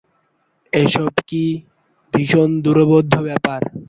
এসব কী ভীষণ দুর্বোধ্য ব্যাপার!